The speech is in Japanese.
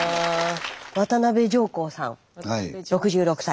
渡辺誠功さん６６歳。